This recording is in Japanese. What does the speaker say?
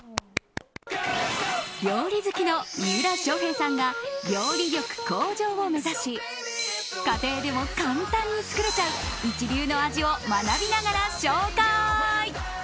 料理好きの三浦翔平さんが料理力向上を目指し家庭でも簡単に作れちゃう一流の味を学びながら紹介。